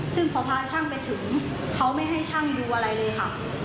ซึ่งพอพระช่างไปถึงเขาไม่ให้ช่างดูอะไรเลยค่ะ